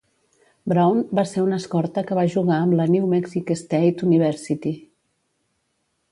Brown va ser un escorta que va jugar amb la New Mexico State University.